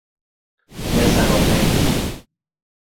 Mesa no pek